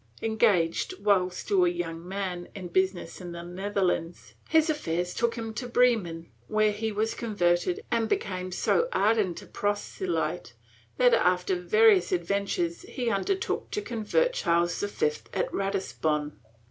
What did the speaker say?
Engaged, while still a young man, in business in the Netherlands, his affairs took him to Bremen, where he was converted and became so ardent a prose lyte that, after various adventures, he undertook to convert Charles V at Ratisbon.